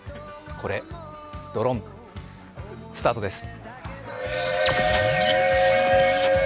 これ、ドロン、スタートです。